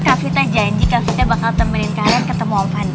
kak vita janji kak vita bakal temenin kalian ketemu om pandi